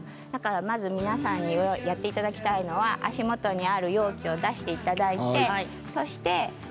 まず皆さんにやっていただきたいのは足元にある容器を出していただいて。